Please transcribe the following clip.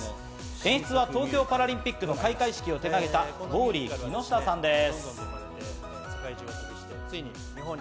演出は東京パラリンピック開会式を手がけたウォーリー木下さんです。